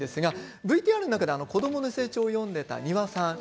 ＶＴＲで子どもの成長を詠んでいた丹羽さん。